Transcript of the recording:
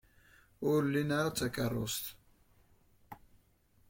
Ur lint ara takeṛṛust.